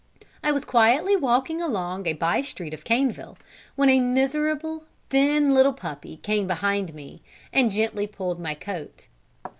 I was quietly walking along a bye street of Caneville, when a miserable, thin, little puppy came behind me, and gently pulled my coat.